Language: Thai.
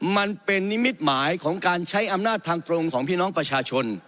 มันเป็นนิมิตหมายของการใช้อำนาจทางตรงของพี่น้องประชาชน